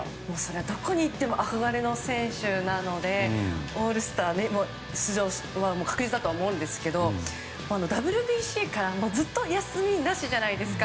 どこに行っても憧れの選手なのでオールスター出場は確実だと思うんですけどＷＢＣからずっと休みなしじゃないですか。